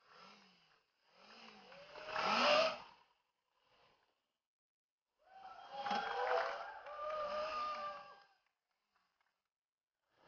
tiga dua satu